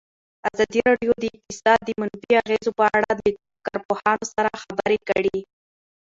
ازادي راډیو د اقتصاد د منفي اغېزو په اړه له کارپوهانو سره خبرې کړي.